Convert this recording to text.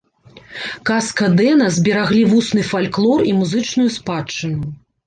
Каска-дэна збераглі вусны фальклор і музычную спадчыну.